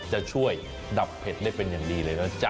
จะช่วยดับเผ็ดได้เป็นอย่างดีเลยนะจ๊ะ